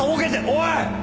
おい！